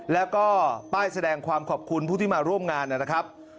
แล้วก็ป้ายแสดงความขอบคุณผู้ที่มาร่วมงานนะครับ